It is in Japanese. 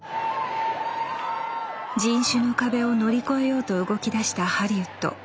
人種の壁を乗り越えようと動きだしたハリウッド。